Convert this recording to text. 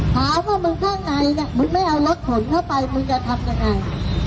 ต้องคุณข้างในน่ะมึงไม่เอารถผนเข้าไปก็จะทำยังไง